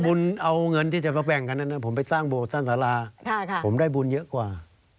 บุญเอาเงินที่จะมาแบ่งกันนั้นผมไปสร้างโบสถสร้างสาราผมได้บุญเยอะกว่า